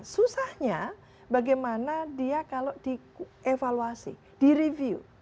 susahnya bagaimana dia kalau dievaluasi direview